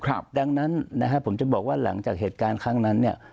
ครับดังนั้นนะฮะผมจะบอกว่าหลังจากเหตุการณ์ครั้งนั้นเนี่ย